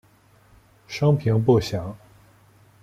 生平不详。